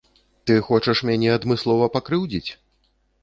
Ты хочаш мяне адмыслова пакрыўдзіць?